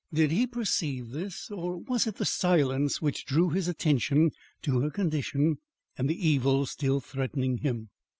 Did he perceive this or was it the silence which drew his attention to her condition and the evils still threatening him?